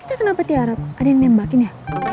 itu kenapa tiarap ada yang nembakin ya